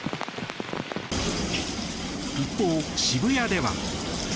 一方、渋谷では。